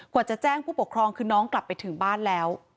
จะแจ้งผู้ปกครองคือน้องกลับไปถึงบ้านแล้ว